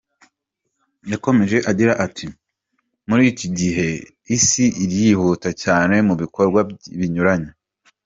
Yakomeje agira ati:” Muri iki gihe isi irihuta cyane mu bikorwa binyuranye.